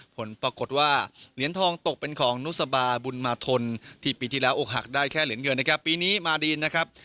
ผลปรากฏว่าเหรียญทองตกเป็นของนุสบาบุญมาทนที่ปีที่แล้วอวกหักได้แค่เหรียญเงินนะครับ